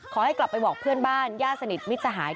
ขอให้กลับไปบอกเพื่อนบ้านย่าสนิทมิจฉาธิ